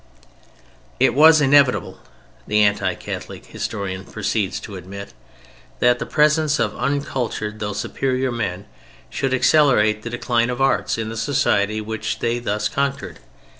"It was inevitable" (the anti Catholic historian proceeds to admit) "that the presence of uncultured though superior men should accelerate the decline of arts in the society which they thus conquered.